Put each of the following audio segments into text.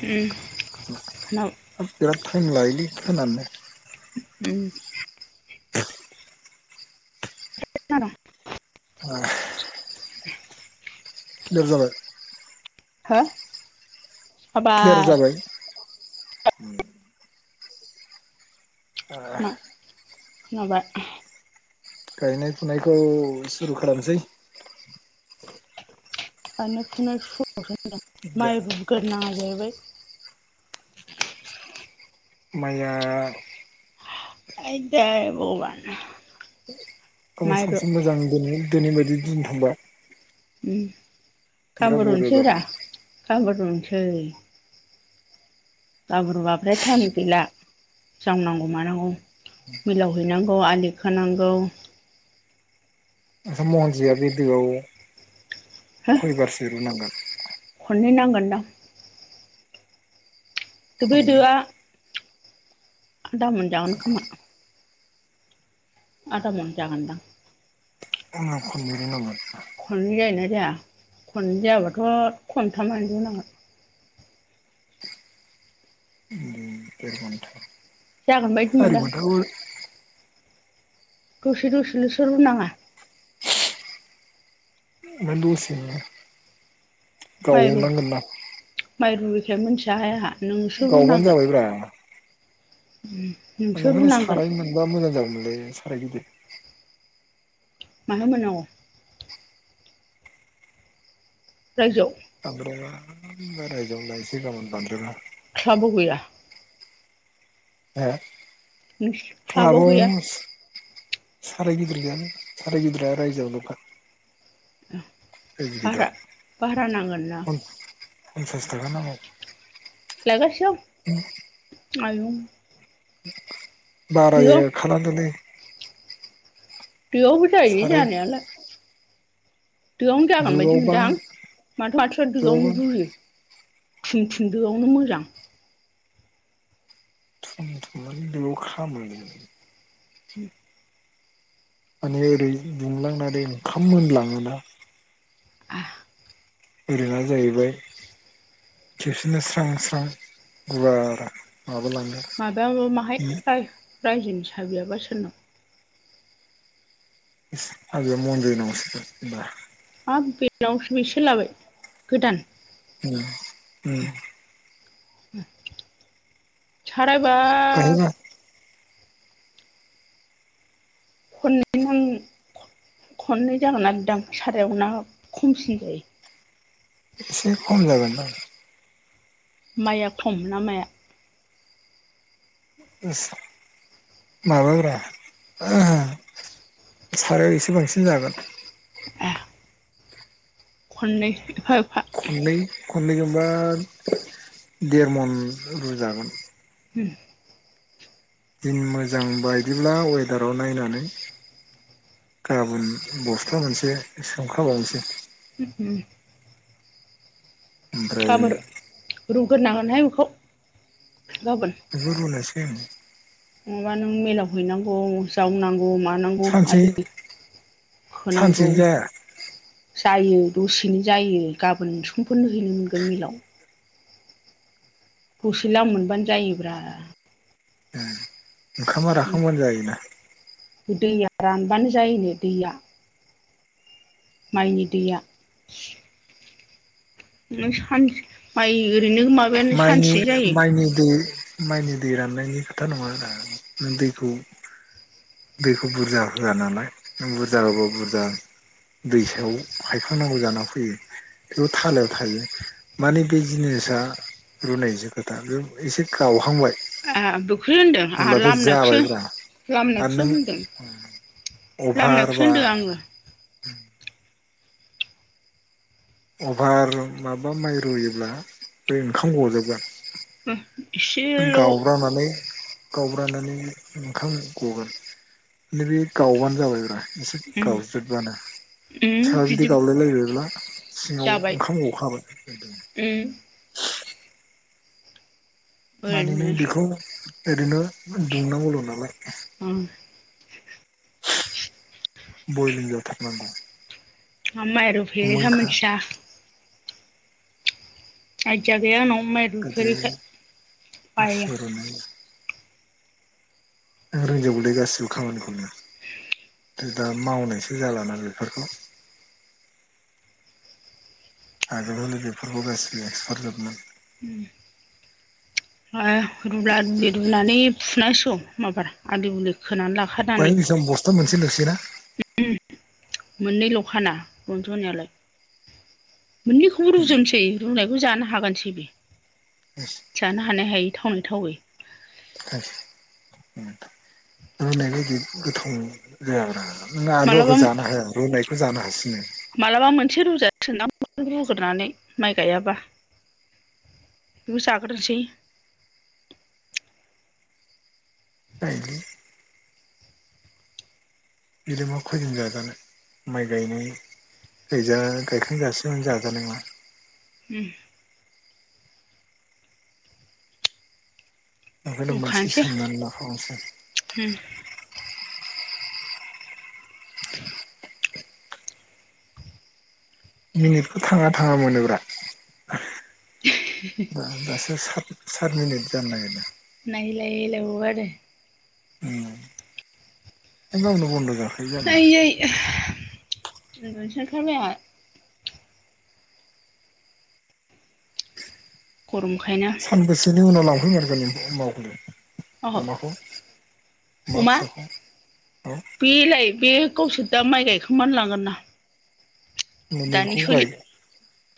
खोना बिराद थाइम लायोलै खोनानोनो। उम। थारा अ लेर जाबाय। हो [inaudible] क्लियार हाबाय। जाबाय [inaudible] खोना-खोनाबाय। गायनाय फुनायखौ सुरु खालामसै। गायनाय फुनाय सुरु [unintelligible] माइ फोग्रोनांगो जाहैबाय। माया आयदै बगबान। गाबोन सानसे मोजां दिनै दिनै बायदि दिन थांबा। उम गां बिराद बरिया बुरुनोसै ब्रा जागौमोन गां बुरुनोसै। गाबुरुवाफ्रा थालिद गैला। जावनांगौ मानांगौ मिलाव हैनांगौ आलि खोनांगौ। ओंखाम महनसेया बे दोआव हो खयबारसो रुनांगोन? खननै नांगोनदां। दो बै खननै दोआ आदा मोनजागोन खोमा। आदा मन जागोन दां। [unintelligible] खननै जायोना जाया खननै जायाबाथ' खमथामानो रुनांगोन। बिदिनो देर घन्टा। जागोनबायदि सारि मोनदों आं। घन्टाखौ दसे दसेल'सो रुनाङा। मा दसेनो [inaudible] माइ रु गावनांगोन ना? माइ रुयैखाय मोनथिया हाय आंहा नोंसो गावबानो रुनांगोन। नोंसो ओंखायनो रुनांगोन साराय मोनबा मोजां जागौमोनलै साराय गिदिर। माहाय मोननांगौ? रायजोआव बांद्राया बे गाबोन रायजोआवनो लायनोसै गाबोन बांद्रायबा। ख्लाबाव गैया? एह। नोंसिन क्लाबाव गैया? साराय गिदिर गैयानो साराय गिदिरा रायजोआव दंखा [unintelligible] दं भारा भारा नांगोन ना फन फनसास टागा नामाव लागासेआव आयु। बारायो खाना दोनदै। बेयावबो जायो साराय जानायालाय। दोआवनो जागोन बायदि दोआवबा मोनदां माथो मान्थ्रिफा दोआवबा दोआवनो रुयो। थुन थुन दोआवनो मोजां। मानो दोआव खामोलै। [unintelligible] माने ओरै दुंलांनानै ओंखाम मोनलाङोना। आ। ओरैहाय जाहैबाय खेबसेनो स्रां स्रां गुवार माबालाङो माबायावल माहाय आय रायजोनि साबियाबा सोरनाव। साबिया [unintelligible] हाब बेनाव बेसो लाबाय गोदान? [unintelligible] उम बाहायबा सारायबाब खननै हांनो खननै जागोननादां सारायाव ना खमसिन जायो? एसे खम जागोन दां। माया खम ना माइआ? उस माबाब्रा [unintelligible] सारायाव एसे बांसिन जागोन। ए खननै फाब खननै खननैजोंबा देरमन रुजागोन। उह। दिन मोजां बायदिब्ला वेदाराव नायनानै गाबोन बस्ता मोनसे सोमखाबावनोसै। ओमफ्राय गोरनांगोनहाय बेखौ। जरुलायासैमोन। अबावबा नों मेलाव हैनांगौ जावनां गौ मानांगौ सानसे आलि खोनांगौ। सानसेनो जाया जायो दसेनो जायो गाबोन समफोरनो हैनो मोनगोन मिलाव। दसे लाम मोनबानो जायोब्रा। ओ ओंखामा राखांबानो जायोना। दैया रानबानो जायोनो दैया। माइनि दैया। नों सान माइ ओरैनो माबायानो माइनि सानसेनो ओ जायो माइनि दै माइनि दै राननायनि खोथा नङारा नों दैखौ दैखौ बुरजा होआ नालाय नों बुरजा होबा बुरजा दैसायाव हायखांनांगौ जाना फैयो थेवबो थालायाव थायो। माने बे जिनिसा रुनायजों खोथा बे एसे गावहांबाय ए बेखौसो होनदों आंहा अब्ला बे लामनायखौसो जाबायब्रा आरो लामनायखौसो नों होनदों अभार लामनायखौसो बा होनदों आङो अभार माबा माइ रुयोब्ला बै ओंखाम गजोबगोन। [inaudible] एसेल' उम गावब्रानानै गावब्रनानै ओंखाम गगोन नैबे गावबानो जाबायब्रा। एसे गावज्रिदबानो उम सायाव जुदि बिदि गावलायलायबायब्ला सिङाव जाबाय ओंखाम गखाबाय। [inaudible] उम माने नों ओरैनो बेखौ ओरैनो दुंनांगौल' नालाय उम बयलिं जाथारनांगौ मा माइ रुफेरिहाय मोनखा मोनथिया। आयदिया गैया आंनाव माइ गोदो रुफेरैखाय बायो आं। आसु रुनाय आं रोंजोबगौलै गासिबो खामानिखौनो। दा मावनायसो जालाना बेफोरखौ आगोलावलाय बेफोरखौ गासिबो एक्सफार्टजोबमोन। [inaudible] ओ रुला-रुलि रुनानै फुनां सिगौ माबार आलि-उलि खोनानै बाहाय लाखानानै। बेसेबां बस्था मोनसे लुसैना मोननैल' खाना रनज'नायालाय मोननैखौबो रुजोबनोसै। रुनायखौ जानो हागोनसै बे! जानो [inaudible] हानाय हायै थावनाय थावै [unintelligible] रुनाय बायदि गोथाव जायाब्रा नों [unintelligible] मालाबा जाना हाया रुनायखौ जानो हासिनो। [unintelligible] रुग्रोरनै माइ गायाबा बेखौ जाग्रोनोसै। जायोलै। बिलाय मा खैदिन जाजानो माइ गायनाय गायजा गायखांजासिमानो जाजानाय नङा। उम ओंखायनो मोनसे रुखानोसै सोंनानै लाखाबावसै उम [inaudible] मिनिटखौ थाङा थाङा मोनोब्रा दा दासो सात साट मिनिट जानो नागिरदों। नायलाय लायबावो आरो। उम। ओ गावनो बन्द' जा आयै आह उन्दुनोसो ओंखारबाय आंहा। [unintelligible] सानबैसेनि उनाव लांफैमारगोन नों अह अमाखौलाय अमाखौ? अमा? औ बेलाय बे गावसोर दा माइ गायखां- बानो लांगोन ना। दानि मोननैखौबो सोलि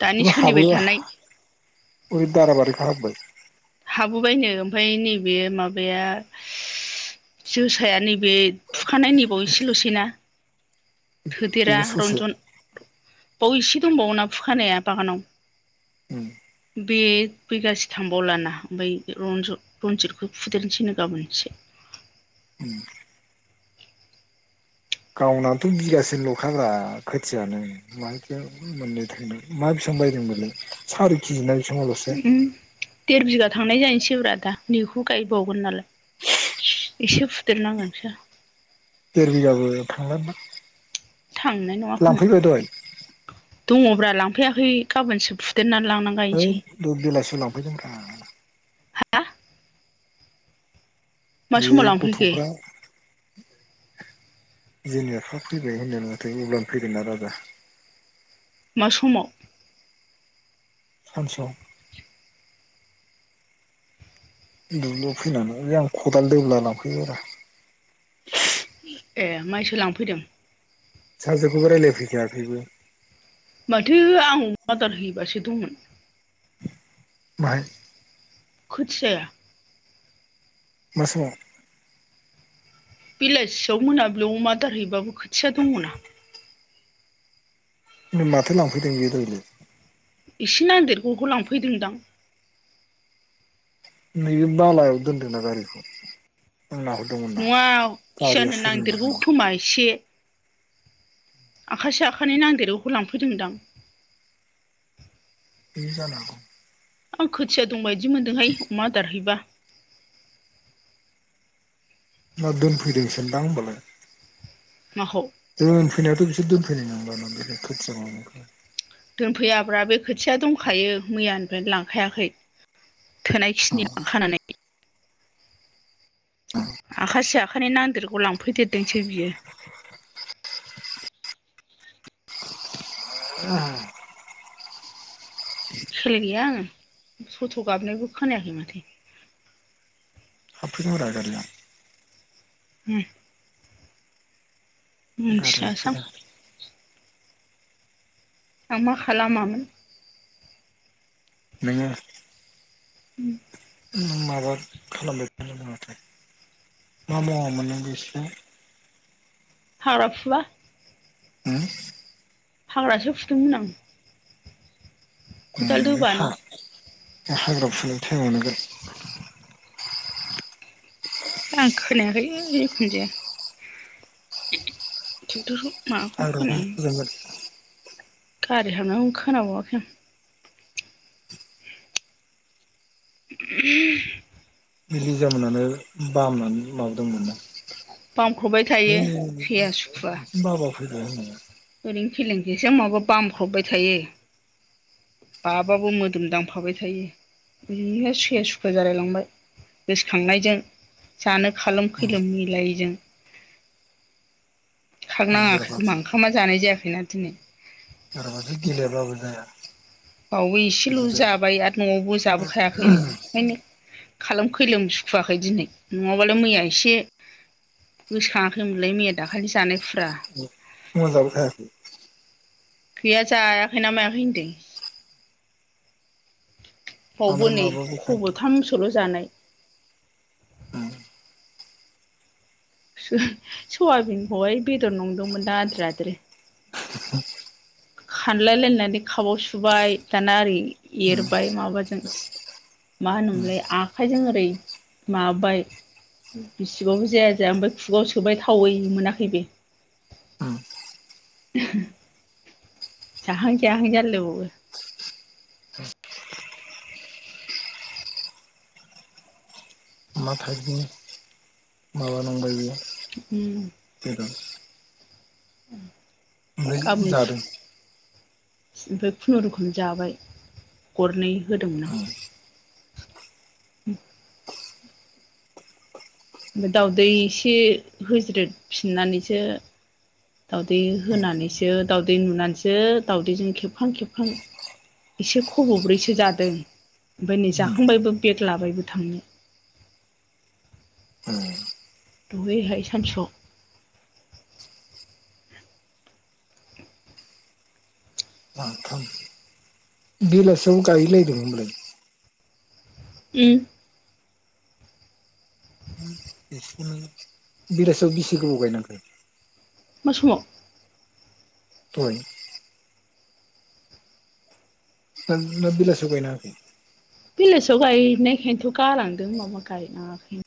दानि बेखौ हाबो सोलिबाय थानाय [inaudible] ओइ दाराबारिखौ हाबोबाय? हाबोबायनो ओमफ्राय नैबे माबाया जोसाया नै- बे फुखानाय नैबाव एसेल'सैना थोदेरा बेबो ससे र'न्जन बाव इसे दंबावोना फुखानाया बागानाव। उम। बे बिगासे थांबावलाना बै रनज'-रनजितखौ फुदेरनोसैनो गाबोन एसे। उम गावनाथ' बिगासे ल'खा ब्रा खोथियानो माहायथो मोननो थोनो मा बि- सां बायदोंमोननो सारि किजिना ओम देर बिगा थांनाय जाहसै ब्रा आ दा नैखौ गायबावगोन नालाय। एसे फुदेरनांगोनसो। देर बिगाबो थांलादां थांनाय नङा खोमा दङबा लांफैयाखै गाबोनसो फु है दहाय बेलासियाव लांफैदों रा आ बे समाव लांफैखो गथ'फ्रा जोंनि आफा फैबाय होननायानो माथो अब्लानो फैगोना राजा मा समाव? सानसु आव दुब्लिुयाव फैनानै आं खदाल दोब्ला लांफैबाय रा ए माइसो लांफैदों? सानजोफुआवबो रायलायफैखायाखैबो माथो आं अमा आदार हैबासो दंमोन बाहाय। खोथिआया मा समाव। बेलासियाव मोनाब्लियाव अमा दारहैबाबो खोथिया दङ ना। ओमबा माथो लांफैदों बियो दहायलाय। एसे नांदेरगखौ लांफैदोंदां। नैबे बालायाव दोनदोंना गारिखौ आं नाहरदोमोनना नङा गारिया खिजानो सोरनि माय नांदेरगौ नामा‌ खोमा आखायसे आखायानैै नांदिगौखौ लांफैदोंदां बिदिनो जानो हागौ। आं खोथिया दं बादि मोनदोंहाय अमा आदारहैबा। ना दोनफैदोंसोनदां होमबालाय माखौ दोनफैनायाथ' बिसोर दोनफैनाय नंला दां बे खोथिया माबाखो। दोनफैयाब्रा बे खोथिया दंखायो मैयानिफ्रायनो लांखायाखै। थोनायखिनिखो खानानै आखाायसे आखायनि नांदेरगौ लांफैदेरदोंसो बियो [unintelligible] [inaudible] खेल गैया आङो थथ' गाबनायबो खोनायाखै माथो हाबफैदों रा गारिया। ए। गारि मिथियासां हाबफैदों आं मा खालामामोन नोङो। उम नों माबा खालामबाय नाङाथाय मा मावामोन नों बेसोर हाग्रा फुबा हाग्रासो फुदोंमोन आं। खदाल दोबा नों। बे हाग्राायाव फुनाय टाइमाव नोगोर आं खोनायाखै जिखुन जाया ट्रेक्टरखौ माबाखौ हाग्राखौनो खोनायाखै फुदोंमोन गारि हाबनाय खौनो खोनाबावाखै आं। [unintelligible] [inaudible] लिजाम मोननानै बामनानै माबादोंमोन दा बामख्रबबाय थायो फैया सुखुवा बाबा फैदों ओरैनो खेलें खेसें माबो बामख्रबबाय थायो बाबाबो मोदोमदांफाबाय थायो बिनिखायनो सैया सुखुवा जालायलांबाय गोसोखांनायजों जानो खालामोम खैलोम मिलायैजों [inaudible] खांख नाङाखै जेरावबा खोमा जानाय जायाखैना दिनै सोरबाथो गेलेयाबाबो जाया बावबो एसेल' जाबाय आरो न'आवबो जाबोखायाखैनो ओंखायनो खालाम खैलोम सुखुवाखै दिनै नङाबालाय मैया एसे गोसोखाङाखैमोनलाय मैया दाखालि जानाय फुङाव जाबो खायाखै गैया जायाखैना मायाखै होनदों बावबो बांद्राय नै माबाबो थायाखै खब'थामसोल' जानाय ओ सयाबिनखौहाय बेदर नंदोंमोन दा आद्रि आद्रि खानलायलायनानै खाबाव सुबाय दाना ओरै एरबाय माबाजों मा होनोमोनलाय आखाइजों ओरै माबाय बिसिबाबो जाया जाया ओमफ्राय खुगायाव सोबाय थावै मोनाखै बे उम [inaudible] जाहां जायाहां जालाय लायबावो मा थाइबनि माबा नंबाय बे उम ओमफ्राय [unintelligible] जादों ओमफ्राय खुनुरुखुम जाबाय गरनै होदोंमोन आं उम ओमफ्राय दावउदै एसे होज्रदफिननानैसो दाउदै होनानैसो दावदै नुनानैसो दाउदैजों खेबखां खेबखां एसे खब'ब्रैसो जादों ओमफ्राय नै जाखांबायबो बेग लाबायबो थांनो [inaudible] दहैहाय सानसुआव बिलासिङावबो गायलायदों होमबालाय उम बेलासिआव बेसे गोबाव गायनांखो मा समाव दहाय ना ना बिलासो गायनांङाखै बिलासिङाव गायनायखायनोथ' गालांदों माबा गायनाङाखैनो